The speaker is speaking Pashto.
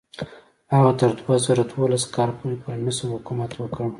هغه تر دوه زره دولس کال پورې پر مصر حکومت وکړ.